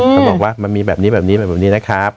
เขาบอกว่ามันมีแบบนี้แบบนี้แบบนี้นะครับ